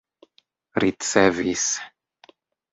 ricevis